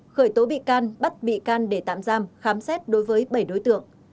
khởi tố bị can bắt bị can để tạm giam khám xét đối với bảy đối tượng